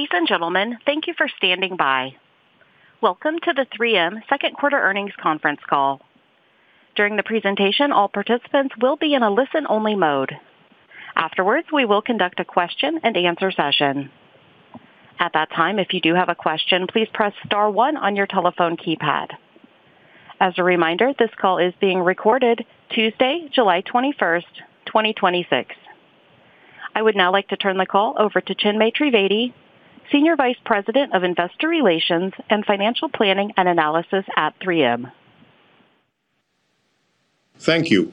Ladies and gentlemen, thank you for standing by. Welcome to the 3M second quarter earnings conference call. During the presentation, all participants will be in a listen-only mode. Afterwards, we will conduct a question-and-answer session. At that time, if you do have a question, please press star one on your telephone keypad. As a reminder, this call is being recorded Tuesday, July 21st, 2026. I would now like to turn the call over to Chinmay Trivedi, Senior Vice President of Investor Relations and Financial Planning and Analysis at 3M. Thank you.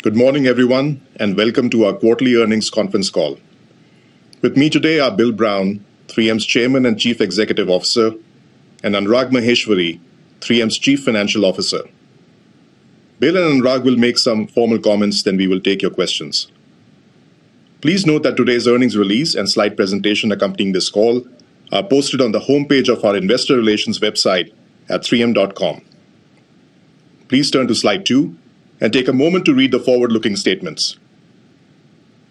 Good morning, everyone, welcome to our quarterly earnings conference call. With me today are Bill Brown, 3M's Chairman and Chief Executive Officer, and Anurag Maheshwari, 3M's Chief Financial Officer. Bill and Anurag will make some formal comments. We will take your questions. Please note that today's earnings release and slide presentation accompanying this call are posted on the homepage of our investor relations website at 3m.com. Please turn to slide two and take a moment to read the forward-looking statements.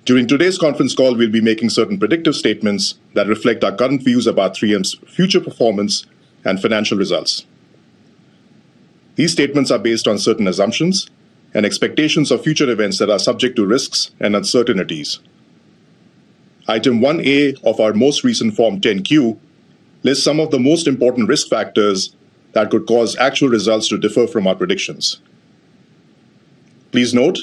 During today's conference call, we'll be making certain predictive statements that reflect our current views about 3M's future performance and financial results. These statements are based on certain assumptions and expectations of future events that are subject to risks and uncertainties. Item 1A of our most recent Form 10-Q lists some of the most important risk factors that could cause actual results to differ from our predictions. Please note,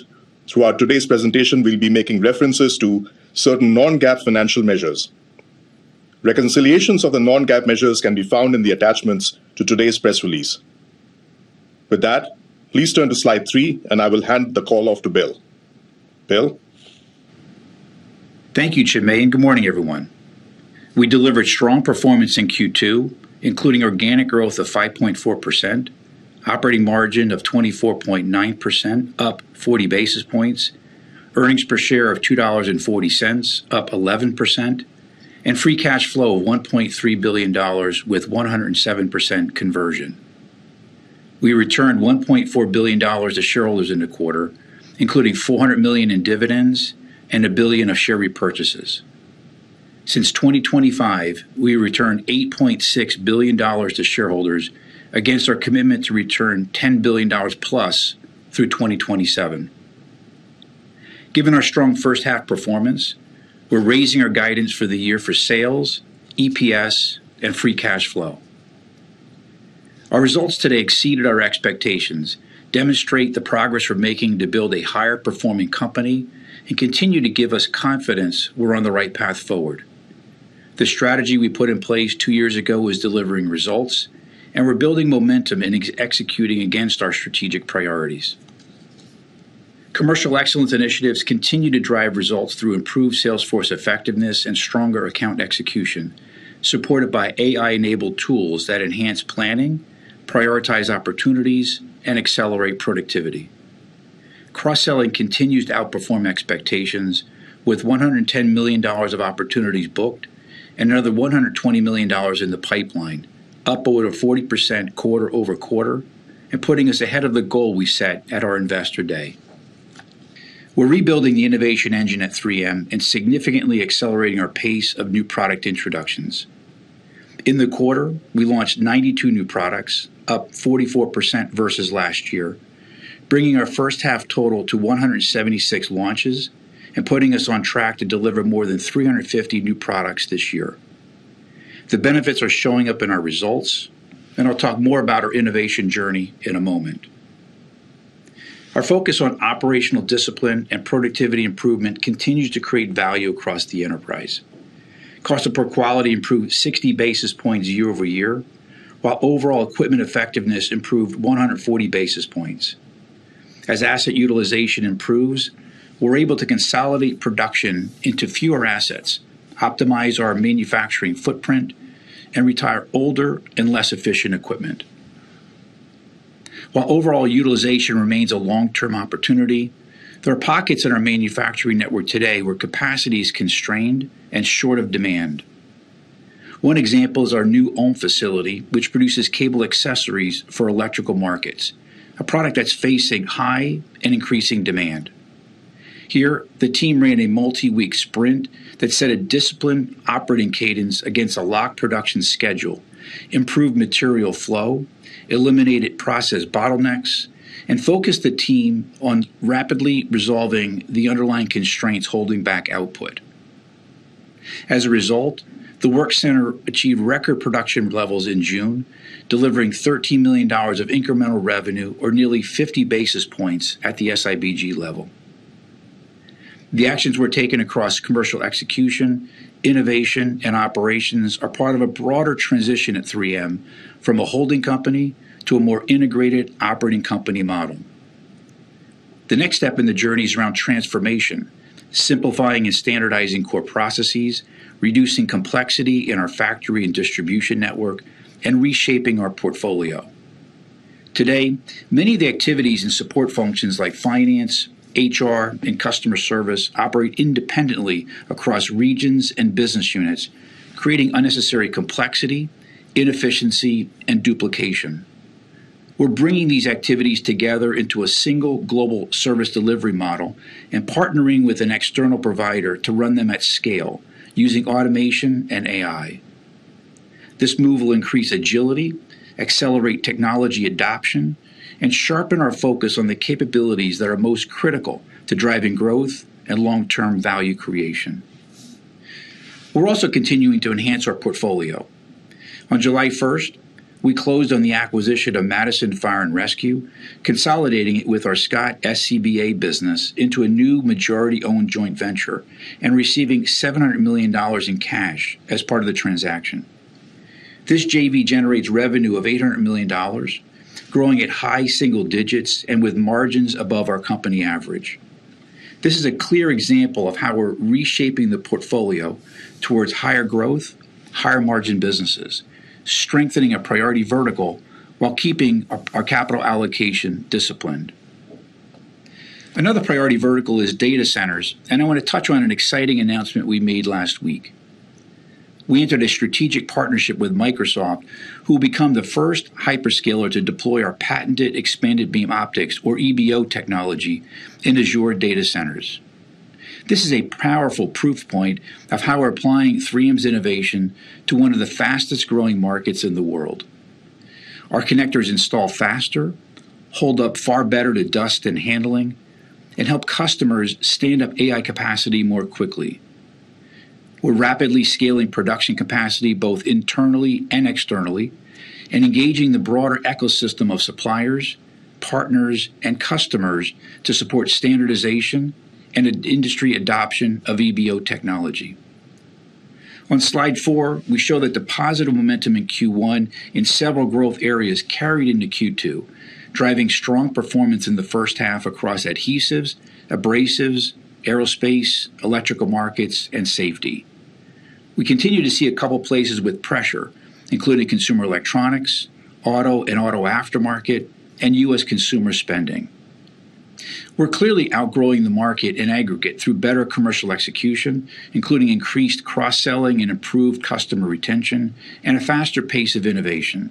throughout today's presentation, we'll be making references to certain non-GAAP financial measures. Reconciliations of the non-GAAP measures can be found in the attachments to today's press release. With that, please turn to slide three. I will hand the call off to Bill. Bill? Thank you, Chinmay. Good morning, everyone. We delivered strong performance in Q2, including organic growth of 5.4%, operating margin of 24.9%, up 40 basis points, earnings per share of $2.40, up 11%, and free cash flow of $1.3 billion with 107% conversion. We returned $1.4 billion to shareholders in the quarter, including $400 million in dividends and $1 billion of share repurchases. Since 2025, we returned $8.6 billion to shareholders against our commitment to return $10 billion+ through 2027. Given our strong first half performance, we're raising our guidance for the year for sales, EPS, and free cash flow. Our results today exceeded our expectations, demonstrate the progress we're making to build a higher performing company, and continue to give us confidence we're on the right path forward. The strategy we put in place two years ago is delivering results. We're building momentum and executing against our strategic priorities. Commercial excellence initiatives continue to drive results through improved sales force effectiveness and stronger account execution, supported by AI-enabled tools that enhance planning, prioritize opportunities, and accelerate productivity. Cross-selling continues to outperform expectations with $110 million of opportunities booked and another $120 million in the pipeline, upward of 40% quarter-over-quarter, putting us ahead of the goal we set at our Investor Day. We're rebuilding the innovation engine at 3M and significantly accelerating our pace of new product introductions. In the quarter, we launched 92 new products, up 44% versus last year, bringing our first half total to 176 launches and putting us on track to deliver more than 350 new products this year. The benefits are showing up in our results. I'll talk more about our innovation journey in a moment. Our focus on operational discipline and productivity improvement continues to create value across the enterprise. Cost of poor quality improved 60 basis points year-over-year, while overall equipment effectiveness improved 140 basis points. As asset utilization improves, we're able to consolidate production into fewer assets, optimize our manufacturing footprint, and retire older and less efficient equipment. While overall utilization remains a long-term opportunity, there are pockets in our manufacturing network today where capacity is constrained and short of demand. One example is our New Ulm facility, which produces cable accessories for electrical markets, a product that's facing high and increasing demand. Here, the team ran a multi-week sprint that set a disciplined operating cadence against a locked production schedule, improved material flow, eliminated process bottlenecks, focused the team on rapidly resolving the underlying constraints holding back output. As a result, the work center achieved record production levels in June, delivering $13 million of incremental revenue, or nearly 50 basis points at the SIBG level. The actions were taken across commercial execution, innovation, and operations are part of a broader transition at 3M from a holding company to a more integrated operating company model. The next step in the journey is around transformation, simplifying and standardizing core processes, reducing complexity in our factory and distribution network, reshaping our portfolio. Today, many of the activities and support functions like finance, HR, and customer service operate independently across regions and business units, creating unnecessary complexity, inefficiency, and duplication. We're bringing these activities together into a single global service delivery model, partnering with an external provider to run them at scale using automation and AI. This move will increase agility, accelerate technology adoption, sharpen our focus on the capabilities that are most critical to driving growth and long-term value creation. We're also continuing to enhance our portfolio. On July 1st, we closed on the acquisition of Madison Fire & Rescue, consolidating it with our Scott SCBA business into a new majority-owned joint venture, receiving $700 million in cash as part of the transaction. This JV generates revenue of $800 million, growing at high single digits with margins above our company average. This is a clear example of how we're reshaping the portfolio towards higher growth, higher margin businesses, strengthening a priority vertical while keeping our capital allocation disciplined. Another priority vertical is data centers. I want to touch on an exciting announcement we made last week. We entered a strategic partnership with Microsoft, who become the first hyperscaler to deploy our patented Expanded Beam Optical, or EBO technology, in Azure data centers. This is a powerful proof point of how we're applying 3M's innovation to one of the fastest-growing markets in the world. Our connectors install faster, hold up far better to dust and handling, and help customers stand up AI capacity more quickly. We're rapidly scaling production capacity both internally and externally and engaging the broader ecosystem of suppliers, partners, and customers to support standardization and industry adoption of EBO technology. On slide four, we show that the positive momentum in Q1 in several growth areas carried into Q2, driving strong performance in the first half across adhesives, abrasives, aerospace, electrical markets, and safety. We continue to see a couple of places with pressure, including consumer electronics, auto and auto aftermarket, and U.S. consumer spending. We're clearly outgrowing the market in aggregate through better commercial execution, including increased cross-selling and improved customer retention, a faster pace of innovation.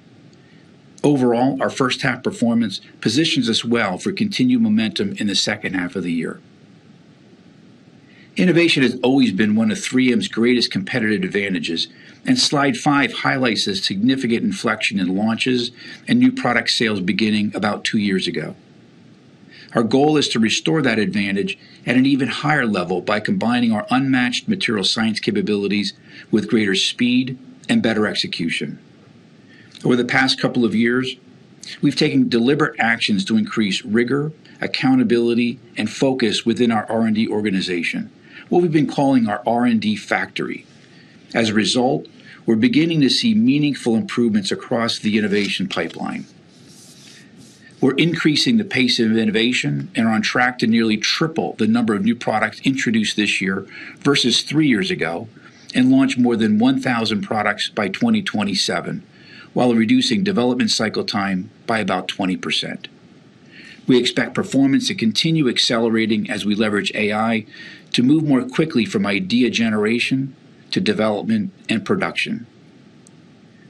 Overall, our first half performance positions us well for continued momentum in the second half of the year. Innovation has always been one of 3M's greatest competitive advantages. Slide five highlights a significant inflection in launches and new product sales beginning about two years ago. Our goal is to restore that advantage at an even higher level by combining our unmatched material science capabilities with greater speed and better execution. Over the past couple of years, we've taken deliberate actions to increase rigor, accountability, and focus within our R&D organization, what we've been calling our R&D factory. As a result, we're beginning to see meaningful improvements across the innovation pipeline. We're increasing the pace of innovation and are on track to nearly triple the number of new products introduced this year versus three years ago and launch more than 1,000 products by 2027 while reducing development cycle time by about 20%. We expect performance to continue accelerating as we leverage AI to move more quickly from idea generation to development and production.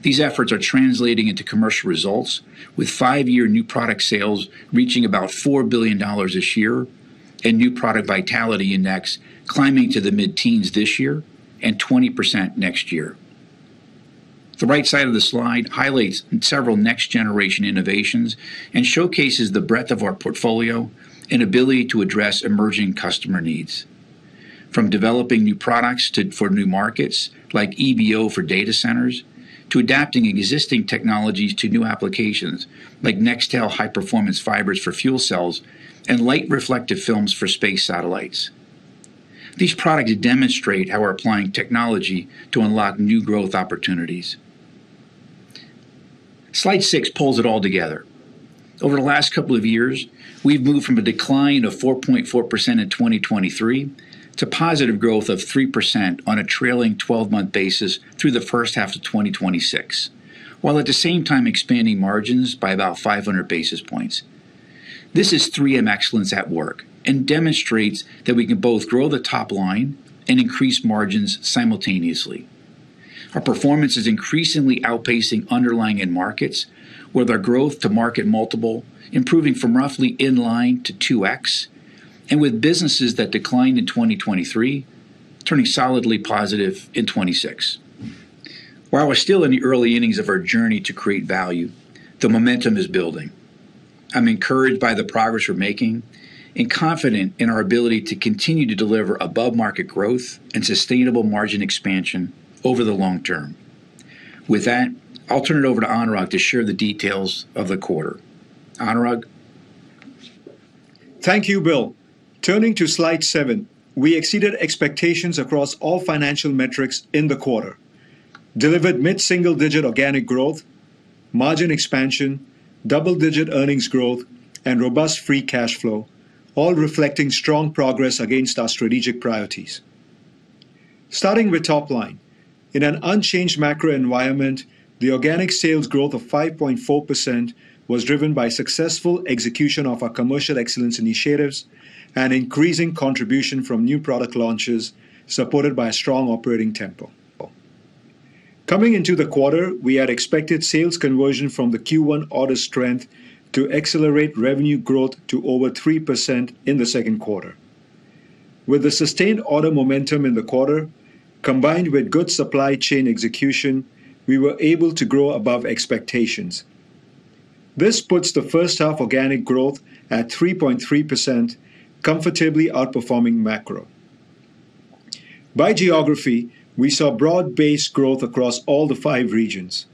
These efforts are translating into commercial results, with five-year new product sales reaching about $4 billion this year and new product vitality index climbing to the mid-teens this year and 20% next year. The right side of the slide highlights several next-generation innovations and showcases the breadth of our portfolio and ability to address emerging customer needs. From developing new products for new markets like EBO for data centers, to adapting existing technologies to new applications like Nextel high-performance fibers for fuel cells and light reflective films for space satellites. These products demonstrate how we're applying technology to unlock new growth opportunities. Slide six pulls it all together. Over the last couple of years, we've moved from a decline of 4.4% in 2023 to positive growth of 3% on a trailing 12-month basis through the first half to 2026, while at the same time expanding margins by about 500 basis points. This is 3M excellence at work and demonstrates that we can both grow the top line and increase margins simultaneously. Our performance is increasingly outpacing underlying end markets, with our growth to market multiple improving from roughly in line to 2x, and with businesses that declined in 2023 turning solidly positive in 2026. While we're still in the early innings of our journey to create value, the momentum is building. I'm encouraged by the progress we're making and confident in our ability to continue to deliver above-market growth and sustainable margin expansion over the long term. With that, I'll turn it over to Anurag to share the details of the quarter. Anurag? Thank you, Bill. Turning to slide seven, we exceeded expectations across all financial metrics in the quarter, delivered mid-single-digit organic growth, margin expansion, double-digit earnings growth, and robust free cash flow, all reflecting strong progress against our strategic priorities. Starting with top line. In an unchanged macro environment, the organic sales growth of 5.4% was driven by successful execution of our commercial excellence initiatives and increasing contribution from new product launches, supported by a strong operating tempo. Coming into the quarter, we had expected sales conversion from the Q1 order strength to accelerate revenue growth to over 3% in the second quarter. With the sustained order momentum in the quarter, combined with good supply chain execution, we were able to grow above expectations. This puts the first half organic growth at 3.3%, comfortably outperforming macro. By geography, we saw broad-based growth across all the five regions.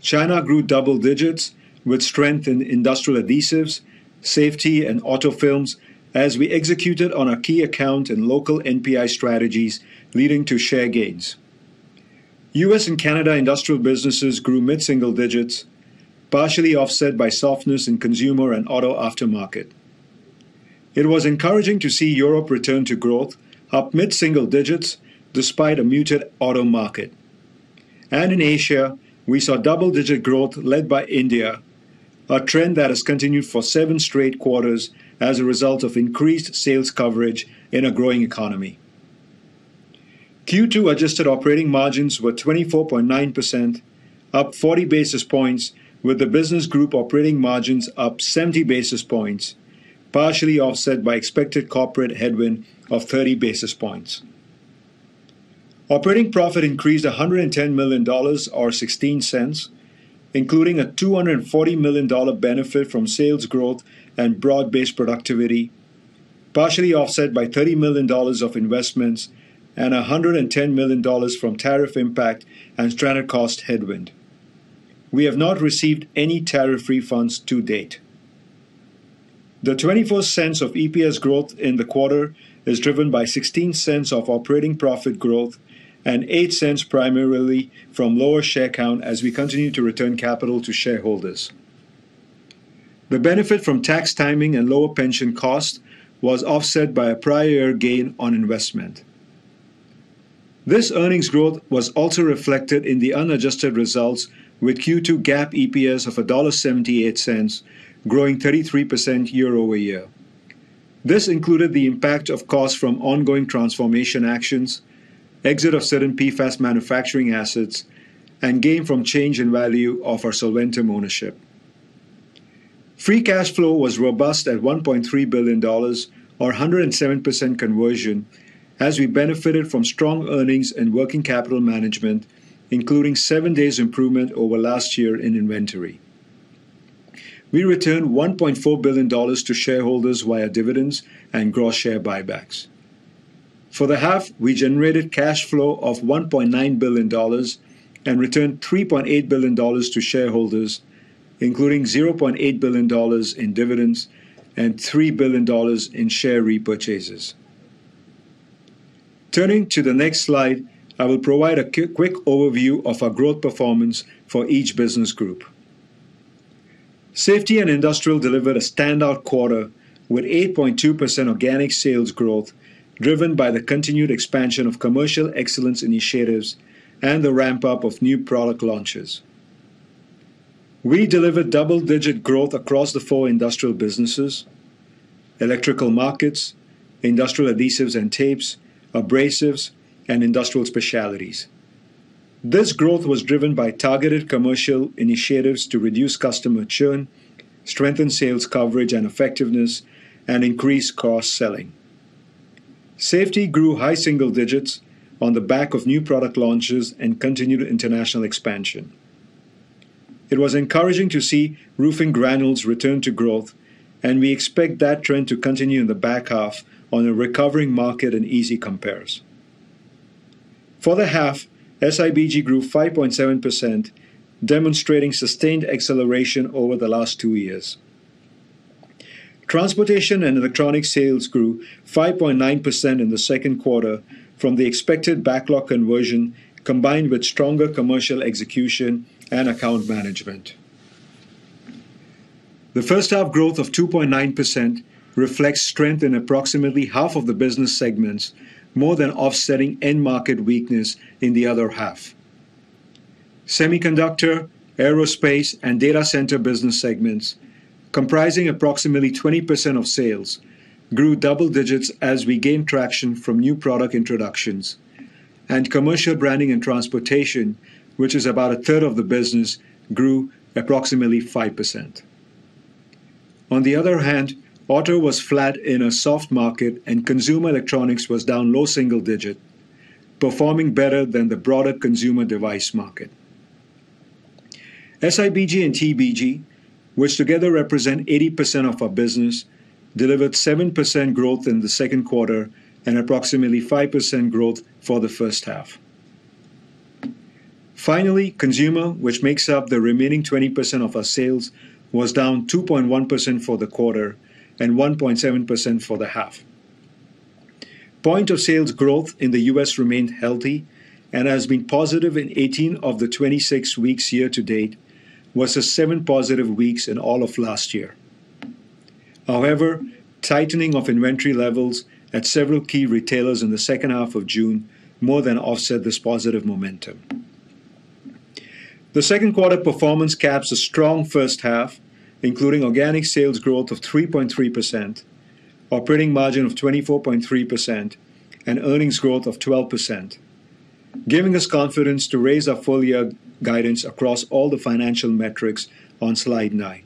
China grew double digits with strength in industrial adhesives, safety, and auto films as we executed on our key account and local NPI strategies, leading to share gains. U.S. and Canada industrial businesses grew mid-single-digits, partially offset by softness in Consumer and auto aftermarket. It was encouraging to see Europe return to growth, up mid-single-digits despite a muted auto market. In Asia, we saw double-digit growth led by India, a trend that has continued for seven straight quarters as a result of increased sales coverage in a growing economy. Q2 adjusted operating margins were 24.9%, up 40 basis points, with the business group operating margins up 70 basis points, partially offset by expected corporate headwind of 30 basis points. Operating profit increased $110 million, or $0.16, including a $240 million benefit from sales growth and broad-based productivity, partially offset by $30 million of investments and $110 million from tariff impact and stranded cost headwind. We have not received any tariff refunds to date. The $0.24 of EPS growth in the quarter is driven by $0.16 of operating profit growth and $0.08 primarily from lower share count as we continue to return capital to shareholders. The benefit from tax timing and lower pension cost was offset by a prior gain on investment. This earnings growth was also reflected in the unadjusted results with Q2 GAAP EPS of $1.78, growing 33% year-over-year. This included the impact of costs from ongoing transformation actions, exit of certain PFAS manufacturing assets, and gain from change in value of our Solventum ownership. Free cash flow was robust at $1.3 billion, or 107% conversion, as we benefited from strong earnings and working capital management, including seven days improvement over last year in inventory. We returned $1.4 billion to shareholders via dividends and gross share buybacks. For the half, we generated cash flow of $1.9 billion and returned $3.8 billion to shareholders, including $0.8 billion in dividends and $3 billion in share repurchases. Turning to the next slide, I will provide a quick overview of our growth performance for each business group. Safety & Industrial delivered a standout quarter with 8.2% organic sales growth, driven by the continued expansion of commercial excellence initiatives and the ramp-up of new product launches. We delivered double-digit growth across the four industrial businesses, electrical markets, industrial adhesives and tapes, abrasives, and industrial specialties. This growth was driven by targeted commercial initiatives to reduce customer churn, strengthen sales coverage and effectiveness, and increase cross-selling. Safety grew high single digits on the back of new product launches and continued international expansion. It was encouraging to see roofing granules return to growth, and we expect that trend to continue in the back half on a recovering market and easy compares. For the half, SIBG grew 5.7%, demonstrating sustained acceleration over the last two years. Transportation and electronic sales grew 5.9% in the second quarter from the expected backlog conversion, combined with stronger commercial execution and account management. The first half growth of 2.9% reflects strength in approximately half of the business segments, more than offsetting end market weakness in the other half. Semiconductor, aerospace, and data center business segments, comprising approximately 20% of sales, grew double digits as we gained traction from new product introductions, and commercial branding and transportation, which is about a third of the business, grew approximately 5%. On the other hand, auto was flat in a soft market, and consumer electronics was down low single digit, performing better than the broader consumer device market. SIBG and TEBG, which together represent 80% of our business, delivered 7% growth in the second quarter and approximately 5% growth for the first half. Finally, Consumer, which makes up the remaining 20% of our sales, was down 2.1% for the quarter and 1.7% for the half. Point-of-sales growth in the U.S. remained healthy and has been positive in 18 of the 26 weeks year-to-date, versus seven positive weeks in all of last year. However, tightening of inventory levels at several key retailers in the second half of June more than offset this positive momentum. The second quarter performance caps a strong first half, including organic sales growth of 3.3%, operating margin of 24.3%, and earnings growth of 12%, giving us confidence to raise our full-year guidance across all the financial metrics on slide nine.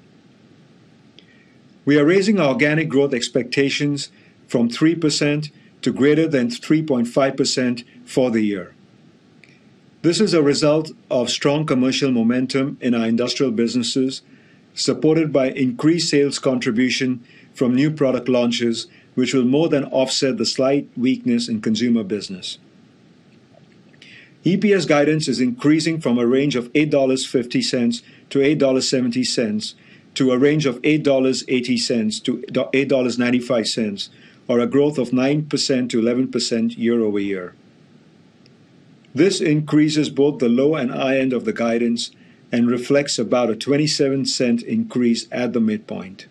We are raising our organic growth expectations from 3% to greater than 3.5% for the year. This is a result of strong commercial momentum in our industrial businesses, supported by increased sales contribution from new product launches, which will more than offset the slight weakness in consumer business. EPS guidance is increasing from a range of $8.50-$8.70 to a range of $8.80-$8.95, or a growth of 9%-11% year-over-year. This increases both the low and high end of the guidance and reflects about a $0.27 increase at the midpoint.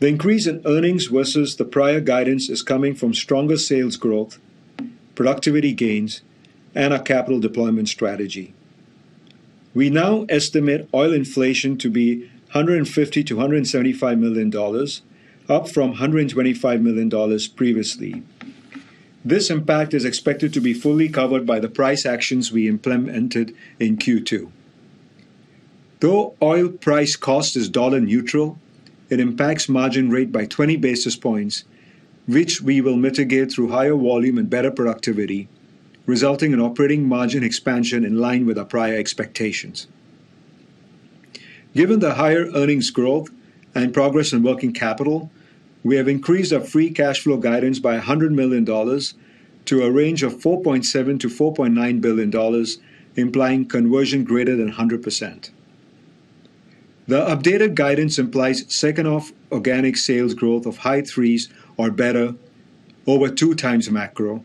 The increase in earnings versus the prior guidance is coming from stronger sales growth, productivity gains, and our capital deployment strategy. We now estimate oil inflation to be $150 million to $175 million, up from $125 million previously. This impact is expected to be fully covered by the price actions we implemented in Q2. Though oil price cost is dollar neutral, it impacts margin rate by 20 basis points, which we will mitigate through higher volume and better productivity, resulting in operating margin expansion in line with our prior expectations. Given the higher earnings growth and progress in working capital, we have increased our free cash flow guidance by $100 million to a range of $4.7 billion-$4.9 billion, implying conversion greater than 100%. The updated guidance implies second-half organic sales growth of high threes or better over two times macro,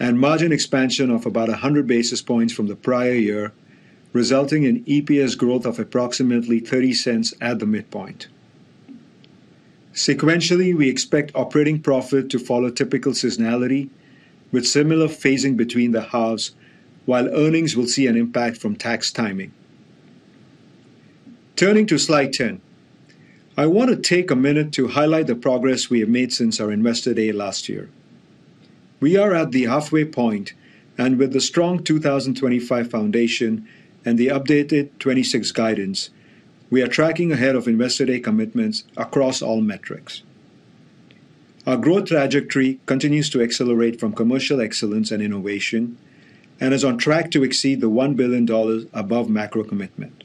and margin expansion of about 100 basis points from the prior year, resulting in EPS growth of approximately $0.30 at the midpoint. Sequentially, we expect operating profit to follow typical seasonality with similar phasing between the halves, while earnings will see an impact from tax timing. Turning to slide 10. I want to take a minute to highlight the progress we have made since our Investor Day last year. We are at the halfway point, and with the strong 2025 foundation and the updated 2026 guidance, we are tracking ahead of Investor Day commitments across all metrics. Our growth trajectory continues to accelerate from commercial excellence and innovation and is on track to exceed the $1 billion above macro commitment.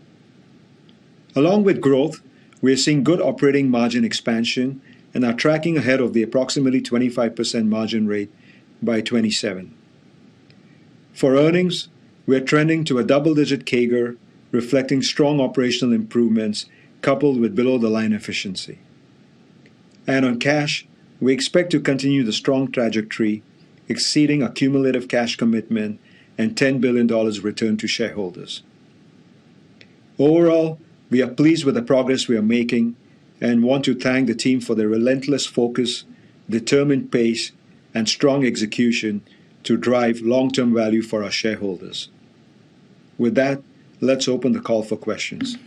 Along with growth, we are seeing good operating margin expansion and are tracking ahead of the approximately 25% margin rate by 2027. For earnings, we are trending to a double-digit CAGR, reflecting strong operational improvements coupled with below-the-line efficiency. On cash, we expect to continue the strong trajectory, exceeding our cumulative cash commitment and $10 billion return to shareholders. Overall, we are pleased with the progress we are making and want to thank the team for their relentless focus, determined pace, and strong execution to drive long-term value for our shareholders. With that, let's open the call for questions.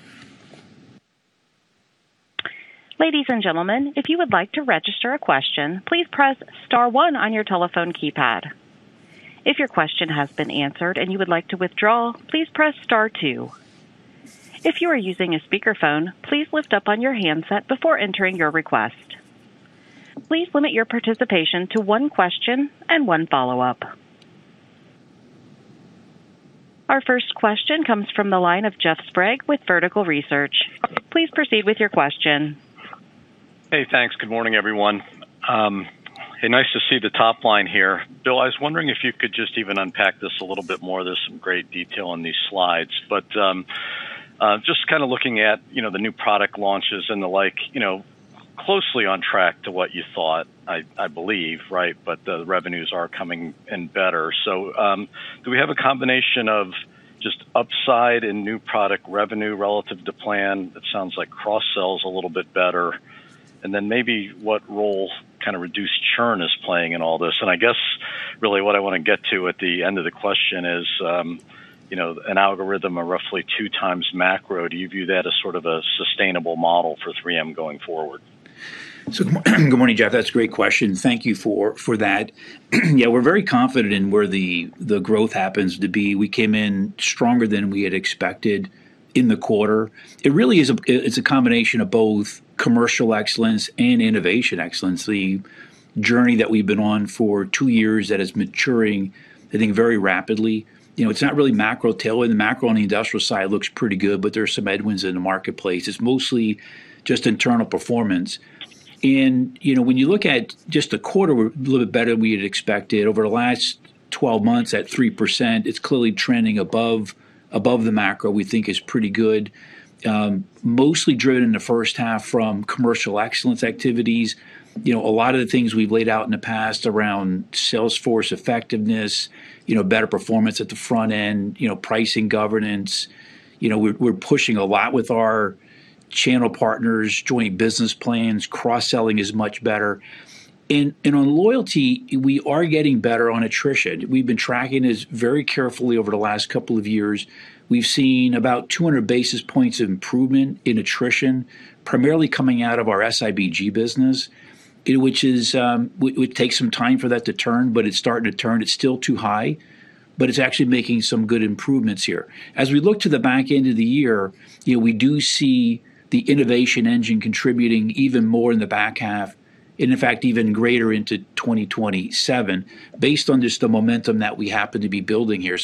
Ladies and gentlemen, if you would like to register a question, please press star one on your telephone keypad. If your question has been answered and you would like to withdraw, please press star two. If you are using a speakerphone, please lift up on your handset before entering your request. Please limit your participation to one question and one follow-up. Our first question comes from the line of Jeff Sprague with Vertical Research. Please proceed with your question. Hey, thanks. Good morning, everyone. Nice to see the top line here. Bill, I was wondering if you could just even unpack this a little bit more. There's some great detail on these slides, but just kind of looking at the new product launches and the like, closely on track to what you thought, I believe, right? The revenues are coming in better. Do we have a combination of just upside in new product revenue relative to plan? It sounds like cross-sell is a little bit better. Maybe what role kind of reduced churn is playing in all this. I guess really what I want to get to at the end of the question is, an algorithm of roughly two times macro, do you view that as sort of a sustainable model for 3M going forward? Good morning, Jeff. That's a great question. Thank you for that. We're very confident in where the growth happens to be. We came in stronger than we had expected in the quarter. It really is a combination of both commercial excellence and innovation excellence, the journey that we've been on for two years that is maturing, I think, very rapidly. It's not really macro tailwind. The macro on the industrial side looks pretty good, but there's some headwinds in the marketplace. It's mostly just internal performance. When you look at just the quarter, we're a little bit better than we had expected. Over the last 12 months at 3%, it's clearly trending above the macro. We think it's pretty good. Mostly driven in the first half from commercial excellence activities. A lot of the things we've laid out in the past around sales force effectiveness, better performance at the front end, pricing governance. We're pushing a lot with our channel partners, joint business plans. Cross-selling is much better. On loyalty, we are getting better on attrition. We've been tracking this very carefully over the last couple of years. We've seen about 200 basis points of improvement in attrition, primarily coming out of our SIBG business. It would take some time for that to turn, but it's starting to turn. It's still too high, but it's actually making some good improvements here. As we look to the back end of the year, we do see the innovation engine contributing even more in the back half. In fact, even greater into 2027, based on just the momentum that we happen to be building here.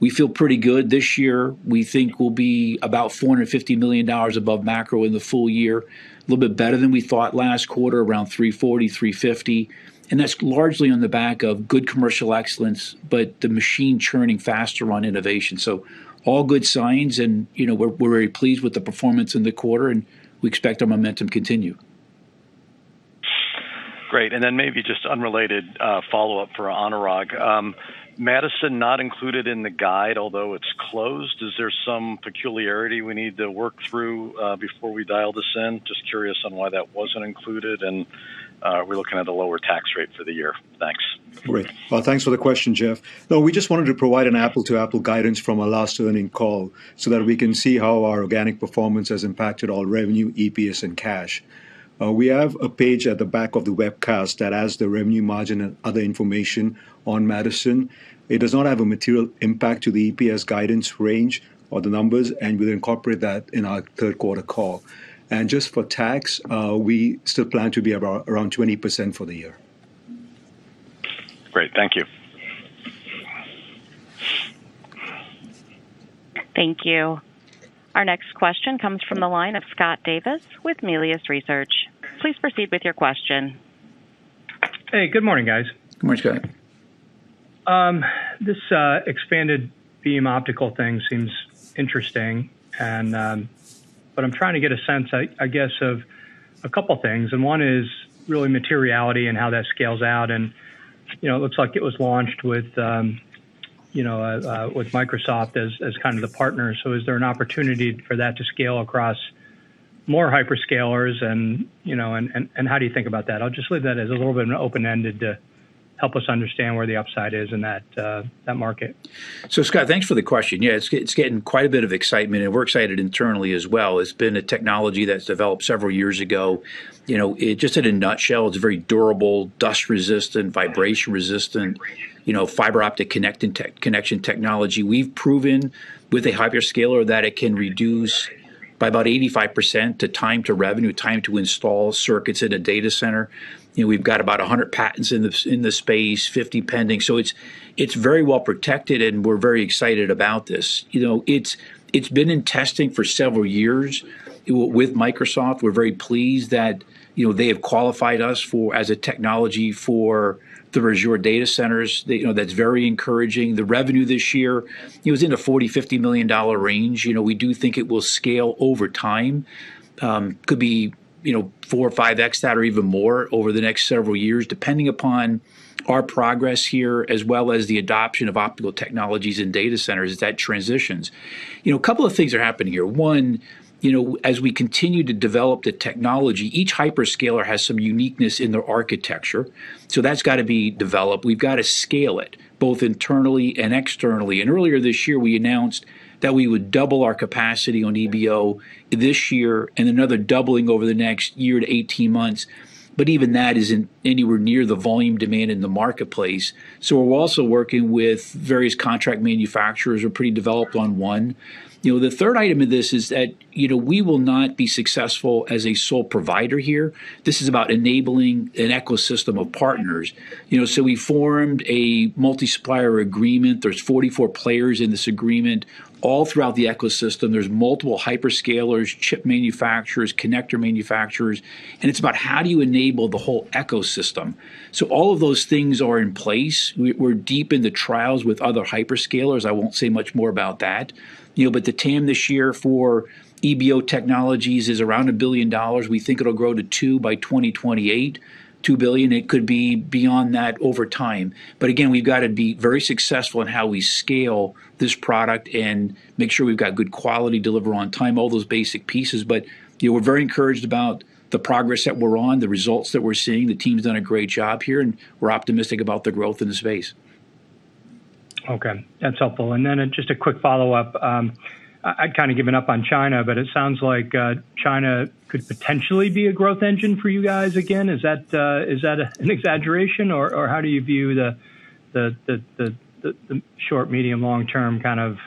We feel pretty good. This year, we think we'll be about $450 million above macro in the full year. A little bit better than we thought last quarter, around $340 million-$350 million, and that's largely on the back of good commercial excellence, but the machine churning faster on innovation. All good signs and we're very pleased with the performance in the quarter, and we expect our momentum continue. Great. Maybe just unrelated, follow-up for Anurag. Madison not included in the guide, although it's closed. Is there some peculiarity we need to work through before we dial this in? Just curious on why that wasn't included, and are we looking at a lower tax rate for the year? Thanks. Great. Well, thanks for the question, Jeff. No, we just wanted to provide an apple-to-apple guidance from our last earnings call so that we can see how our organic performance has impacted our revenue, EPS, and cash. We have a page at the back of the webcast that has the revenue margin and other information on Madison. It does not have a material impact to the EPS guidance range or the numbers, and we'll incorporate that in our third quarter call. Just for tax, we still plan to be around 20% for the year. Great. Thank you. Thank you. Our next question comes from the line of Scott Davis with Melius Research. Please proceed with your question. Hey, good morning, guys. Good morning, Scott. This Expanded Beam Optical thing seems interesting, but I'm trying to get a sense, I guess, of a couple things. One is really materiality and how that scales out. It looks like it was launched with Microsoft as kind of the partner. Is there an opportunity for that to scale across more hyperscalers and how do you think about that? I'll just leave that as a little bit of an open-ended to help us understand where the upside is in that market. Scott, thanks for the question. It's getting quite a bit of excitement, and we're excited internally as well. It's been a technology that's developed several years ago. Just in a nutshell, it's very durable, dust resistant, vibration resistant, fiber optic connection technology. We've proven with a hyperscaler that it can reduce by about 85% the time to revenue, time to install circuits in a data center. We've got about 100 patents in this space, 50 pending. It's very well protected, and we're very excited about this. It's been in testing for several years with Microsoft. We're very pleased that they have qualified us as a technology for the Azure data centers. That's very encouraging. The revenue this year, it was in the $40 million-$50 million range. We do think it will scale over time. Could be 4x or 5x that or even more over the next several years, depending upon our progress here, as well as the adoption of optical technologies in data centers as that transitions. A couple of things are happening here. One, as we continue to develop the technology, each hyperscaler has some uniqueness in their architecture, so that's got to be developed. We've got to scale it both internally and externally. Earlier this year, we announced that we would double our capacity on EBO this year and another doubling over the next year to 18 months. Even that isn't anywhere near the volume demand in the marketplace. We're also working with various contract manufacturers, we're pretty developed on one. The third item in this is that, we will not be successful as a sole provider here. This is about enabling an ecosystem of partners. We formed a multi-supplier agreement. There's 44 players in this agreement all throughout the ecosystem. There's multiple hyperscalers, chip manufacturers, connector manufacturers, and it's about how do you enable the whole ecosystem. All of those things are in place. We're deep in the trials with other hyperscalers. I won't say much more about that. The TAM this year for EBO Technologies is around $1 billion. We think it'll grow to two by 2028. $2 billion, it could be beyond that over time. Again, we've got to be very successful in how we scale this product and make sure we've got good quality, deliver on time, all those basic pieces. We're very encouraged about the progress that we're on, the results that we're seeing. The team's done a great job here, and we're optimistic about the growth in the space. Okay. That's helpful. Then just a quick follow-up. I'd kind of given up on China, but it sounds like China could potentially be a growth engine for you guys again. Is that an exaggeration, or how do you view the short, medium, long-term kind of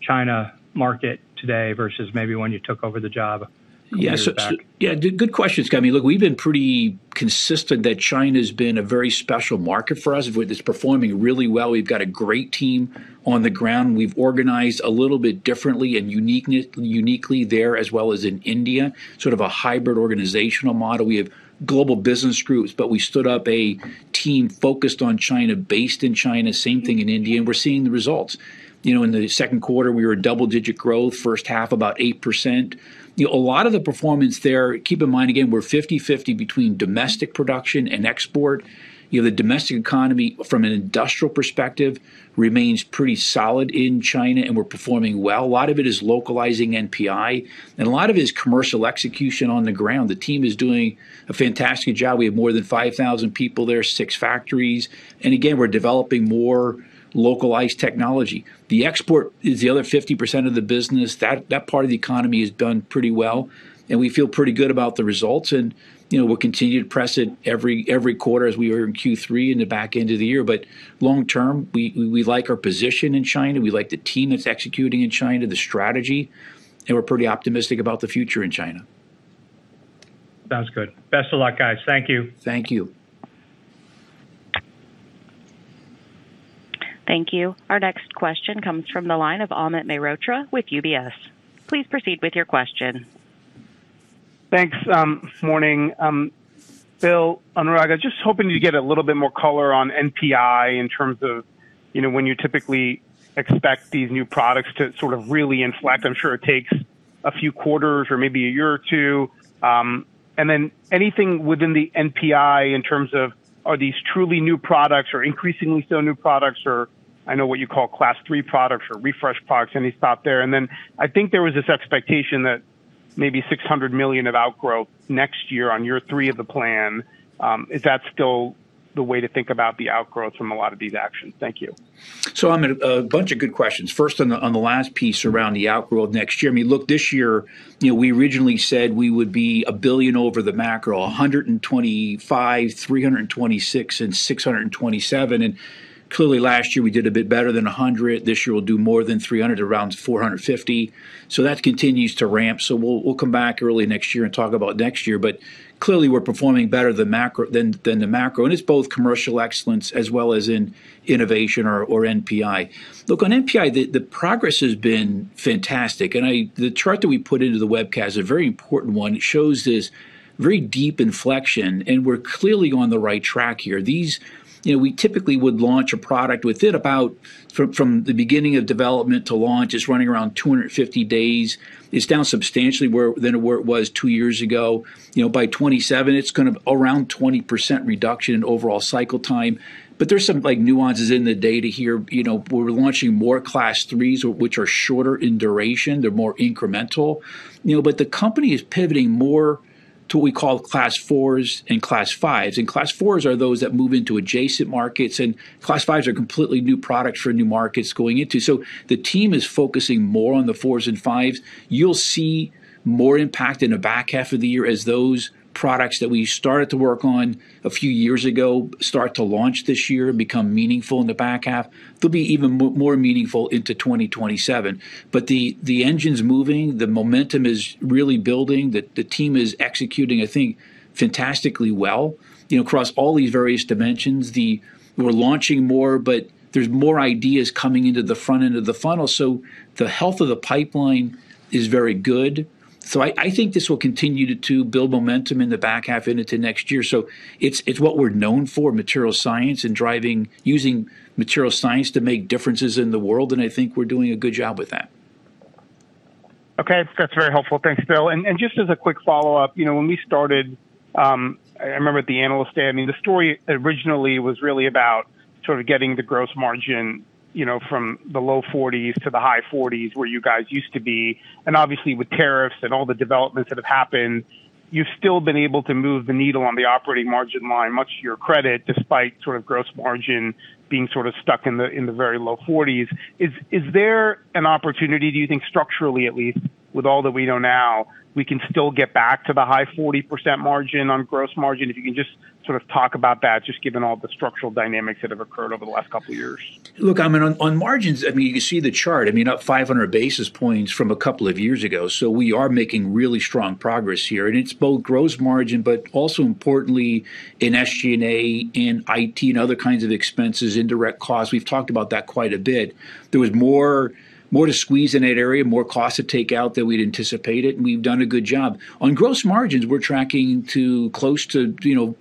China market today versus maybe when you took over the job a couple years back? Yeah, good question, Scott. I mean, look, we've been pretty consistent that China's been a very special market for us. It's performing really well. We've got a great team on the ground. We've organized a little bit differently and uniquely there as well as in India, sort of a hybrid organizational model. We have global business groups, but we stood up a team focused on China, based in China, same thing in India, and we're seeing the results. In the second quarter, we were a double-digit growth, first half about 8%. A lot of the performance there, keep in mind again, we're 50/50 between domestic production and export. The domestic economy, from an industrial perspective, remains pretty solid in China, and we're performing well. A lot of it is localizing NPI and a lot of it is commercial execution on the ground. The team is doing a fantastic job. We have more than 5,000 people there, six factories, and again, we're developing more localized technology. The export is the other 50% of the business. That part of the economy has done pretty well, and we feel pretty good about the results, and we'll continue to press it every quarter as we are in Q3 in the back end of the year. Long term, we like our position in China, we like the team that's executing in China, the strategy, and we're pretty optimistic about the future in China. Sounds good. Best of luck, guys. Thank you. Thank you. Thank you. Our next question comes from the line of Amit Mehrotra with UBS. Please proceed with your question. Thanks. Morning. Bill, Anurag, just hoping to get a little bit more color on NPI in terms of when you typically expect these new products to sort of really inflect. I'm sure it takes a few quarters or maybe a year or two. Anything within the NPI in terms of are these truly new products or increasingly still new products or I know what you call Class 3 products or refresh products, any thought there? I think there was this expectation that maybe $600 million of outgrow next year on year 3 of the plan. Is that still the way to think about the outgrowths from a lot of these actions? Thank you. Amit, a bunch of good questions. First, on the last piece around the outgrowth next year. Look, this year, we originally said we would be $1 billion over the macro, 2025, 2026, and 2027. Clearly last year we did a bit better than $100 million. This year we'll do more than $300 million, around $450 million. That continues to ramp. We'll come back early next year and talk about next year. Clearly we're performing better than the macro, and it's both commercial excellence as well as in innovation or NPI. Look, on NPI, the progress has been fantastic, and the chart that we put into the webcast, a very important one. It shows this very deep inflection, and we're clearly on the right track here. We typically would launch a product within about, from the beginning of development to launch, it's running around 250 days. It's down substantially than where it was two years ago. By 2027, it's kind of around 20% reduction in overall cycle time. There's some nuances in the data here. We're launching more Class 3s, which are shorter in duration. They're more incremental. The company is pivoting more to what we call Class 4s and Class 5s, and Class 4s are those that move into adjacent markets, and Class 5s are completely new products for new markets going into. The team is focusing more on the 4s and 5s. You'll see more impact in the back half of the year as those products that we started to work on a few years ago start to launch this year and become meaningful in the back half. They'll be even more meaningful into 2027. The engine's moving. The momentum is really building. The team is executing, I think, fantastically well across all these various dimensions. We're launching more, but there's more ideas coming into the front end of the funnel. The health of the pipeline is very good. I think this will continue to build momentum in the back half and into next year. It's what we're known for, material science and using material science to make differences in the world, and I think we're doing a good job with that. Okay. That's very helpful. Thanks, Bill. Just as a quick follow-up, when we started, I remember at the Analyst Day, the story originally was really about sort of getting the gross margin from the low 40s to the high 40s where you guys used to be. Obviously with tariffs and all the developments that have happened, you've still been able to move the needle on the operating margin line, much to your credit, despite sort of gross margin being sort of stuck in the very low 40s. Is there an opportunity, do you think, structurally at least, with all that we know now, we can still get back to the high 40% margin on gross margin? If you can just sort of talk about that, just given all the structural dynamics that have occurred over the last couple of years. Look, Amit, on margins, you can see the chart, up 500 basis points from a couple of years ago. We are making really strong progress here, and it's both gross margin, but also importantly in SG&A, in IT, and other kinds of expenses, indirect costs. We've talked about that quite a bit. There was more to squeeze in that area, more cost to take out than we'd anticipated, and we've done a good job. On gross margins, we're tracking close to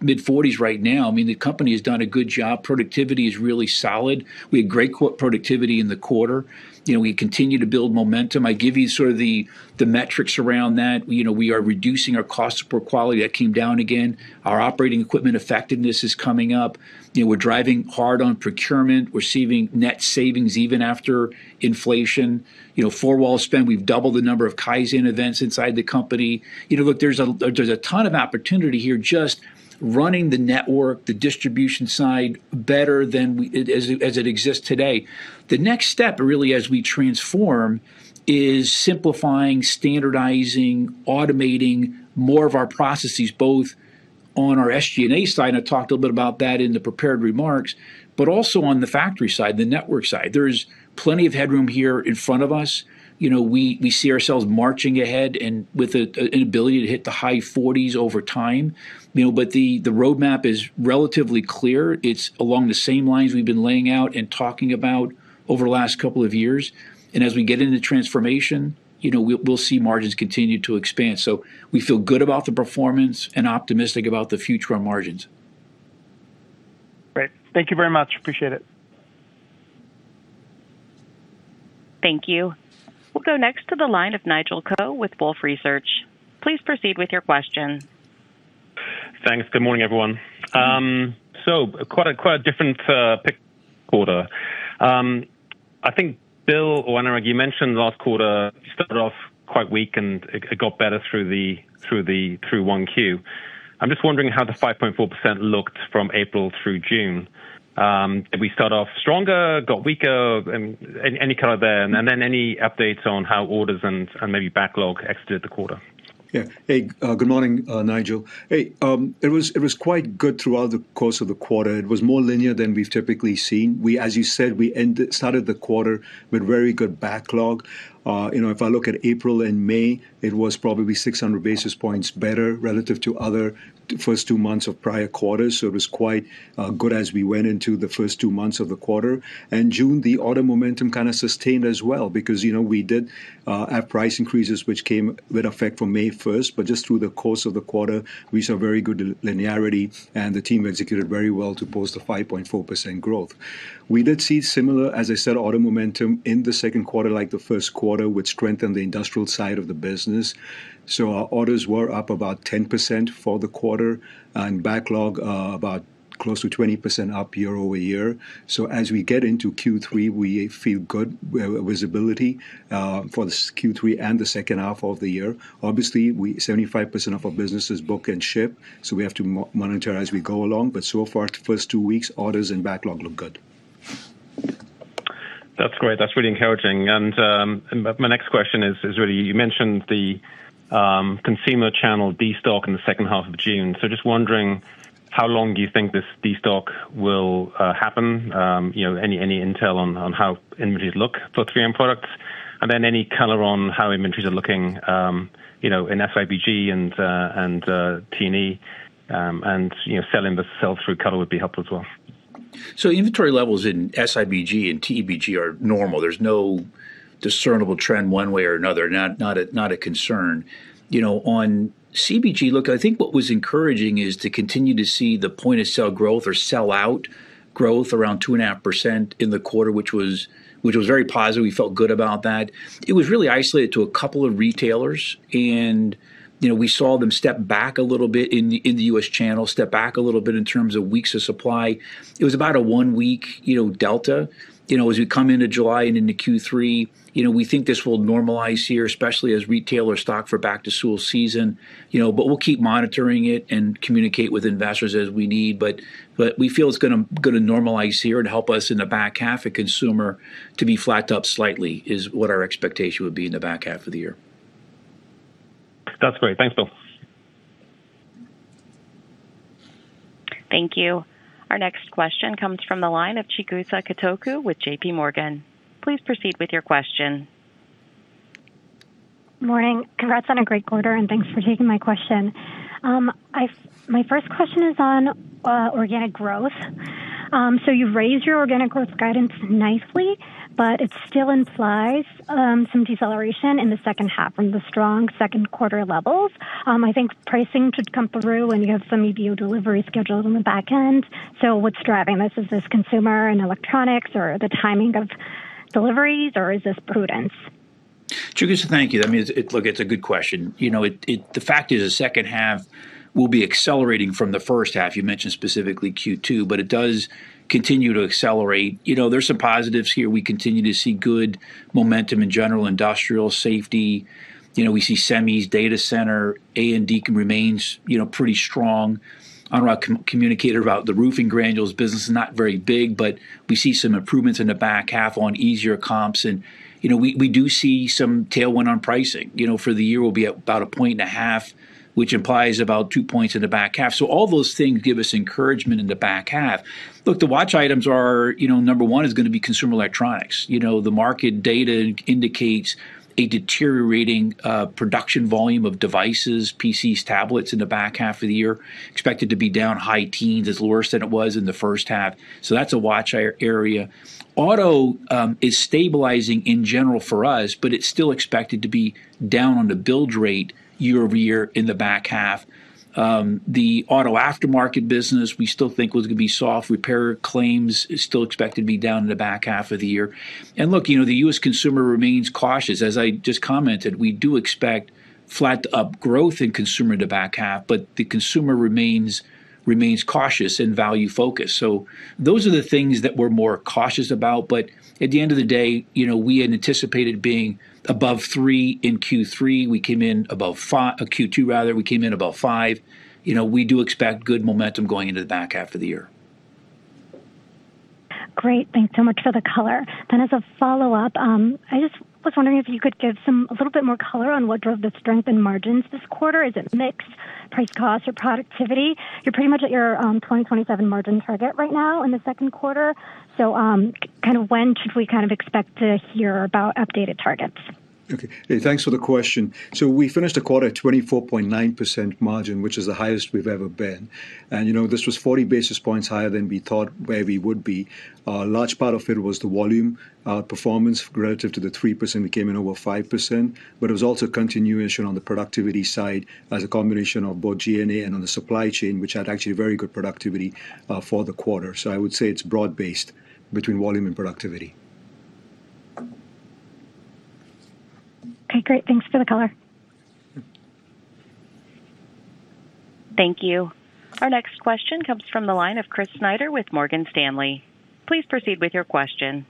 mid-40s right now. The company has done a good job. Productivity is really solid. We had great productivity in the quarter. We continue to build momentum. I give you sort of the metrics around that. We are reducing our cost per quality. That came down again. Our operating equipment effectiveness is coming up. We're driving hard on procurement. We're seeing net savings even after inflation. Four-wall spend, we've doubled the number of Kaizen events inside the company. Look, there's a ton of opportunity here just running the network, the distribution side better as it exists today. The next step, really, as we transform, is simplifying, standardizing, automating more of our processes, both on our SG&A side, and I talked a little bit about that in the prepared remarks, but also on the factory side, the network side. There's plenty of headroom here in front of us. We see ourselves marching ahead and with an ability to hit the high 40s over time. The roadmap is relatively clear. It's along the same lines we've been laying out and talking about over the last couple of years. As we get into transformation, we'll see margins continue to expand. We feel good about the performance and optimistic about the future on margins. Great. Thank you very much. Appreciate it. Thank you. We'll go next to the line of Nigel Coe with Wolfe Research. Please proceed with your question. Thanks. Good morning, everyone. Quite a different pick quarter. I think Bill or Anurag, you mentioned last quarter started off quite weak and it got better through 1Q. I'm just wondering how the 5.4% looked from April through June. Did we start off stronger, got weaker? Any color there? Any updates on how orders and maybe backlog exited the quarter? Yeah. Hey, good morning, Nigel. Hey, it was quite good throughout the course of the quarter. It was more linear than we've typically seen. As you said, we started the quarter with very good backlog. If I look at April and May, it was probably 600 basis points better relative to other first two months of prior quarters. It was quite good as we went into the first two months of the quarter. June, the auto momentum kind of sustained as well because we did our price increases, which came with effect from May 1st. Just through the course of the quarter, we saw very good linearity, and the team executed very well to post a 5.4% growth. We did see similar, as I said, auto momentum in the second quarter, like the first quarter, which strengthened the industrial side of the business. Our orders were up about 10% for the quarter, and backlog about close to 20% up year-over-year. As we get into Q3, we feel good visibility for Q3 and the second half of the year. Obviously, 75% of our business is book and ship, so we have to monitor as we go along. But so far, the first two weeks, orders and backlog look good. That's great. That's really encouraging. My next question is really, you mentioned the Consumer channel destock in the second half of June. Just wondering how long do you think this destock will happen? Any intel on how inventories look for 3M products? Then any color on how inventories are looking in SIBG and TE and selling the sell-through color would be helpful as well. Inventory levels in SIBG and TEBG are normal. There's no discernible trend one way or another. Not a concern. On CBG, look, I think what was encouraging is to continue to see the point of sale growth or sell-out growth around 2.5% in the quarter, which was very positive. We felt good about that. It was really isolated to a couple of retailers, and we saw them step back a little bit in the U.S. channel, step back a little bit in terms of weeks of supply. It was about a one-week delta. As we come into July and into Q3, we think this will normalize here, especially as retailer stock for back-to-school season. We'll keep monitoring it and communicate with investors as we need. We feel it's going to normalize here and help us in the back half of Consumer to be flat to up slightly, is what our expectation would be in the back half of the year. That's great. Thanks, Bill. Thank you. Our next question comes from the line of Chigusa Katoku with JPMorgan. Please proceed with your question. Morning. Congrats on a great quarter, and thanks for taking my question. My first question is on organic growth. You've raised your organic growth guidance nicely, but it still implies some deceleration in the second half from the strong second quarter levels. I think pricing should come through when you have some EBO delivery schedules on the back end. What's driving this? Is this Consumer and electronics, or the timing of deliveries, or is this prudence? Chigusa, thank you. I mean, look, it's a good question. The fact is the second half will be accelerating from the first half, you mentioned specifically Q2, but it does continue to accelerate. There's some positives here. We continue to see good momentum in general industrial, safety. We see semis, data center, A&D remains pretty strong. I don't know our communicator about the roofing granules business is not very big, but we see some improvements in the back half on easier comps, and we do see some tailwind on pricing. For the year, we'll be up about a point and a half, which implies about two points in the back half. All those things give us encouragement in the back half. Look, the watch items are, number one, is going to be Consumer electronics. The market data indicates a deteriorating production volume of devices, PCs, tablets in the back half of the year, expected to be down high teens. It's lower than it was in the first half. That's a watch area. Auto is stabilizing in general for us, but it's still expected to be down on the build rate year-over-year in the back half. The auto aftermarket business we still think was going to be soft. Repair claims is still expected to be down in the back half of the year. Look, the U.S. consumer remains cautious. As I just commented, we do expect flat to up growth in Consumer in the back half, but the consumer remains cautious and value-focused. Those are the things that we're more cautious about. At the end of the day, we had anticipated being above three in Q3. We came in above Q2 rather, we came in about five. We do expect good momentum going into the back half of the year. Great. Thanks so much for the color. As a follow-up, I just was wondering if you could give a little bit more color on what drove the strength in margins this quarter. Is it mix, price cost, or productivity? You're pretty much at your 2027 margin target right now in the second quarter. When should we kind of expect to hear about updated targets? Okay. Hey, thanks for the question. We finished the quarter at 24.9% margin, which is the highest we've ever been. This was 40 basis points higher than we thought where we would be. A large part of it was the volume performance relative to the 3%, we came in over 5%, it was also continuation on the productivity side as a combination of both G&A and on the supply chain, which had actually very good productivity for the quarter. I would say it's broad-based between volume and productivity. Okay, great. Thanks for the color. Thank you. Our next question comes from the line of Chris Snyder with Morgan Stanley. Please proceed with your question.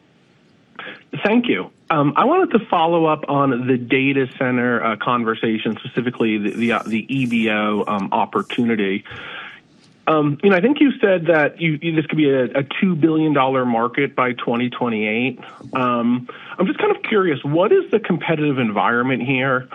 Thank you. I wanted to follow up on the data center conversation, specifically the EBO opportunity. I think you said that this could be a $2 billion market by 2028. I'm just kind of curious, what is the competitive environment here?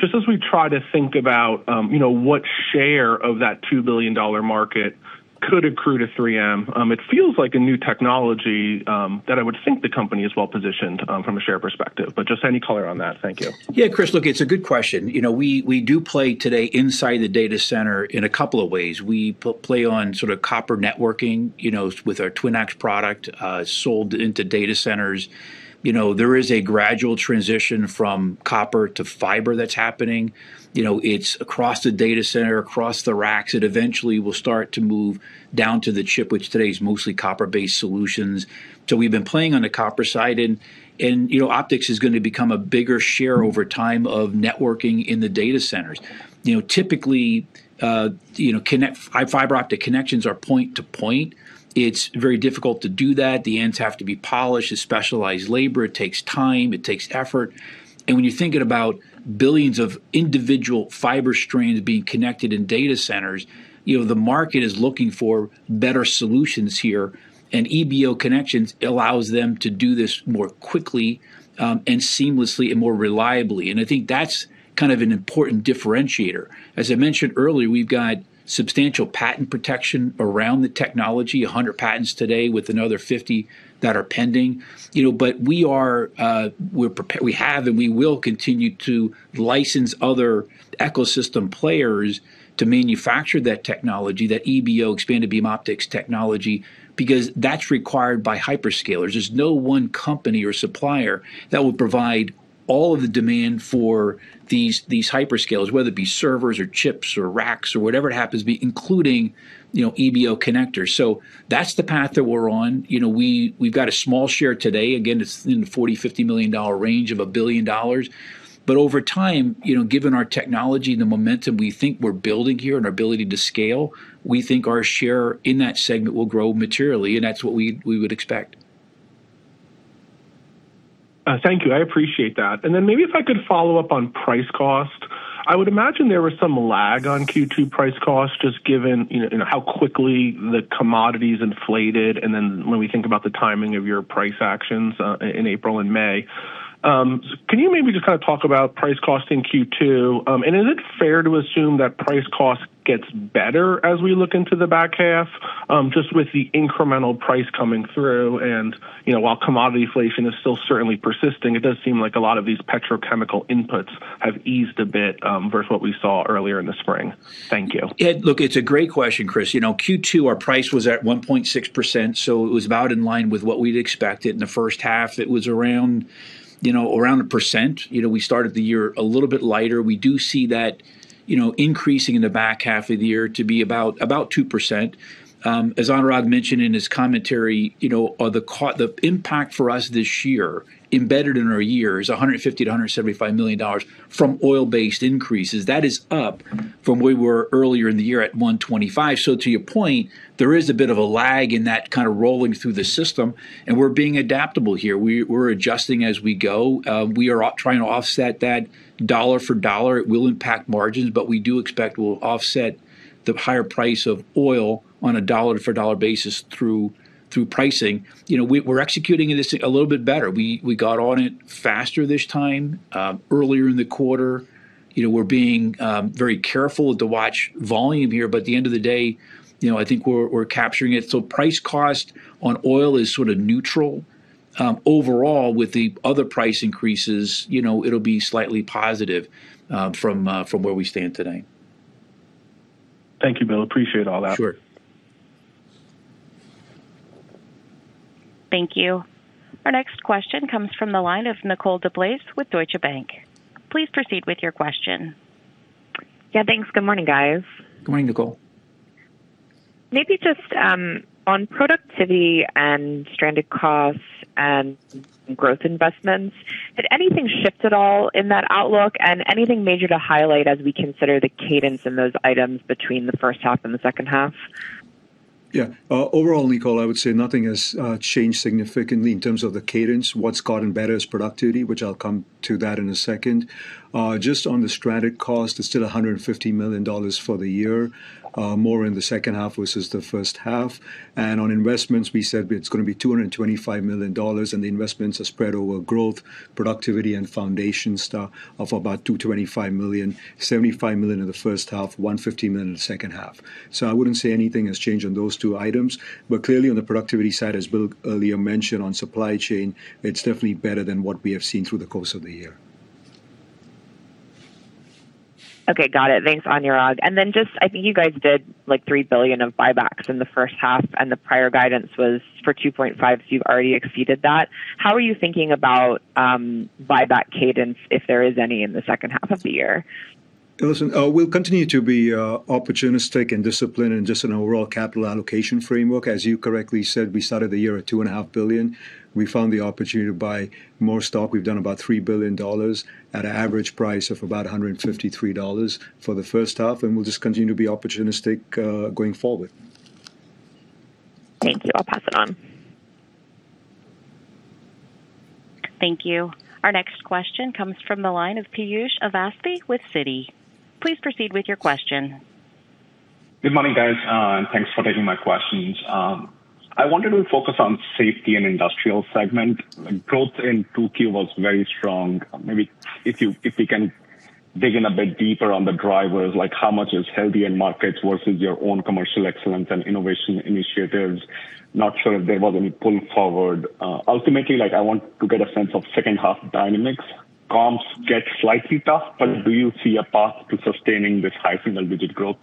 Just as we try to think about what share of that $2 billion market could accrue to 3M. It feels like a new technology that I would think the company is well positioned from a share perspective. Just any color on that. Thank you. Yeah, Chris, look, it's a good question. We do play today inside the data center in a couple of ways. We play on sort of copper networking, with our TwinAx product, sold into data centers. There is a gradual transition from copper to fiber that's happening. It's across the data center, across the racks. It eventually will start to move down to the chip, which today is mostly copper-based solutions. We've been playing on the copper side, and optics is going to become a bigger share over time of networking in the data centers. Typically, fiber optic connections are point to point. It's very difficult to do that. The ends have to be polished. It's specialized labor. It takes time. It takes effort. When you're thinking about billions of individual fiber strands being connected in data centers, the market is looking for better solutions here, and EBO connections allows them to do this more quickly, and seamlessly, and more reliably. I think that's kind of an important differentiator. As I mentioned earlier, we've got substantial patent protection around the technology, 100 patents today with another 50 that are pending. We have and we will continue to license other ecosystem players to manufacture that technology, that EBO, Expanded Beam Optical technology, because that's required by hyperscalers. There's no one company or supplier that would provide all of the demand for these hyperscalers, whether it be servers or chips or racks or whatever it happens to be, including EBO connectors. That's the path that we're on. We've got a small share today. It's in the $40 million-$50 million range of a billion dollars. Over time, given our technology and the momentum we think we're building here and our ability to scale, we think our share in that segment will grow materially, and that's what we would expect. Thank you. I appreciate that. Maybe if I could follow up on price cost. I would imagine there was some lag on Q2 price cost, just given how quickly the commodities inflated and when we think about the timing of your price actions in April and May. Can you maybe just kind of talk about price cost in Q2? Is it fair to assume that price cost gets better as we look into the back half, just with the incremental price coming through while commodity inflation is still certainly persisting, it does seem like a lot of these petrochemical inputs have eased a bit, versus what we saw earlier in the spring. Thank you. Look, it's a great question, Chris. Q2, our price was at 1.6%, so it was about in line with what we'd expected. In the first half, it was around a percent. We started the year a little bit lighter. We do see that increasing in the back half of the year to be about 2%. As Anurag mentioned in his commentary, the impact for us this year, embedded in our year, is $150 million-$175 million from oil-based increases. That is up from where we were earlier in the year at $125 million. To your point, there is a bit of a lag in that kind of rolling through the system, we're being adaptable here. We're adjusting as we go. We are trying to offset that dollar for dollar. It will impact margins, we do expect we'll offset the higher price of oil on a dollar for dollar basis through pricing. We're executing this a little bit better. We got on it faster this time, earlier in the quarter. We're being very careful to watch volume here, at the end of the day, I think we're capturing it. Price cost on oil is sort of neutral. Overall, with the other price increases, it'll be slightly positive from where we stand today. Thank you, Bill. Appreciate all that. Sure. Thank you. Our next question comes from the line of Nicole DeBlase with Deutsche Bank. Please proceed with your question. Yeah, thanks. Good morning, guys. Good morning, Nicole. Maybe just on productivity and stranded costs and growth investments, had anything shifted at all in that outlook? Anything major to highlight as we consider the cadence in those items between the first half and the second half? Yeah. Overall, Nicole, I would say nothing has changed significantly in terms of the cadence. What's gotten better is productivity, which I'll come to that in a second. Just on the stranded cost, it's still $150 million for the year. More in the second half versus the first half. On investments, we said it's going to be $225 million, and the investments are spread over growth, productivity, and foundation stuff of about $225 million. $75 million in the first half, $115 million in the second half. I wouldn't say anything has changed on those two items. Clearly on the productivity side, as Bill earlier mentioned on supply chain, it's definitely better than what we have seen through the course of the year. Okay, got it. Thanks, Anurag. I think you guys did like $3 billion of buybacks in the first half, and the prior guidance was for $2.5 billion, so you've already exceeded that. How are you thinking about buyback cadence, if there is any, in the H2 of the year? Listen, we'll continue to be opportunistic and disciplined in just an overall capital allocation framework. As you correctly said, we started the year at $2.5 billion. We found the opportunity to buy more stock. We've done about $3 billion at an average price of about $153 for the first half, and we'll just continue to be opportunistic going forward. Thank you. I'll pass it on Thank you. Our next question comes from the line of Piyush Avasthy with Citi. Please proceed with your question. Good morning, guys, thanks for taking my questions. I wanted to focus on Safety & Industrial segment. Growth in 2Q was very strong. Maybe if you can dig in a bit deeper on the drivers, like how much is healthy end markets versus your own commercial excellence and innovation initiatives. Not sure if there was any pull forward. Ultimately, I want to get a sense of second half dynamics. Comms get slightly tough, but do you see a path to sustaining this high single-digit growth?